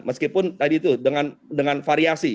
meskipun tadi itu dengan variasi